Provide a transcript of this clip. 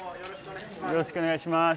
よろしくお願いします。